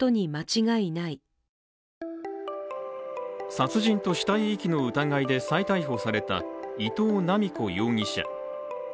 殺人と死体遺棄の疑いで再逮捕された伊藤七美子容疑者。